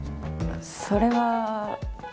それは。